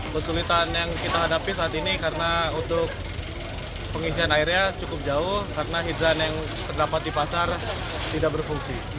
kesulitan yang kita hadapi saat ini karena untuk pengisian airnya cukup jauh karena hidran yang terdapat di pasar tidak berfungsi